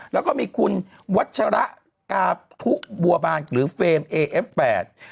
แล้วก็มีคุณวัชระกาพุบัวบานหรือเฟรมเอเอฟแปด